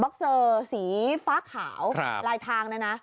บ็อกเซอร์สีฟ้าขาวครับลายทางน่ะนะ